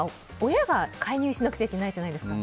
親が今介入しなきゃいけないじゃないですか。